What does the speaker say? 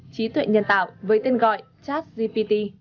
chí tuệ nhân tạo với tên gọi chắc gpt